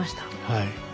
はい。